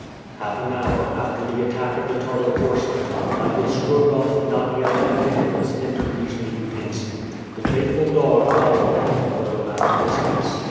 Half an hour after the attack of the Tartar horsemen, Michael Strogoff, Nadia, and Nicholas entered Nijni Oudinsk. The faithful dog followed them, though at a distance.